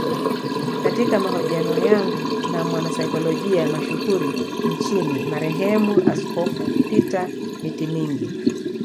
Katika mahojiano yangu na mwanasaikolojia mashuhuri nchini marehemu askofu Peter Mitimingi